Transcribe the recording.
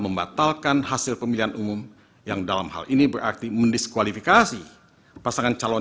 membatalkan hasil pemilihan umum yang dalam hal ini berarti mendiskualifikasi pasangan calon